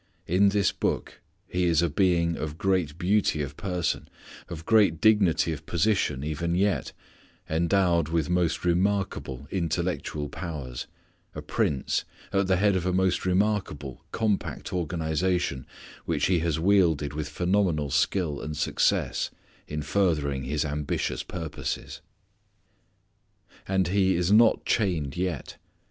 In this Book he is a being of great beauty of person, of great dignity of position even yet, endowed with most remarkable intellectual powers, a prince, at the head of a most remarkable, compact organization which he has wielded with phenomenal skill and success in furthering his ambitious purposes. And he is not chained yet.